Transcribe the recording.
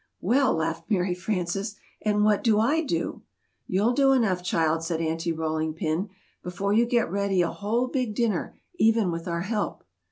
"Well," laughed Mary Frances, "and what do I do?" "You'll do enough, child," said Aunty Rolling Pin, "before you get ready a whole big dinner, even with our help."